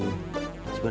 lepastu aja ya ya